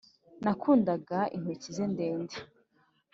nakundaga intoki ze ndende